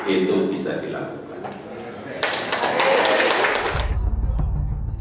itu bisa dilakukan